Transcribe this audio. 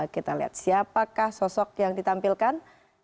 kita lihat siapakah sosok yang ditampilkan